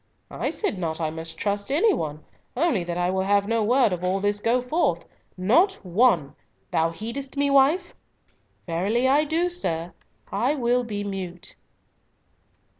"I said not I mistrust any one; only that I will have no word of all this go forth! Not one! Thou heedest me, wife?" "Verily I do, sir; I will be mute."